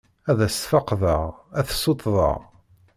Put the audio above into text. Ad as-sfeqdeɣ, ad t-ssuṭḍeɣ.